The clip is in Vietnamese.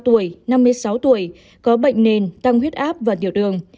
bệnh nhân là người cao tuổi năm mươi sáu tuổi có bệnh nền tăng huyết áp và điều đường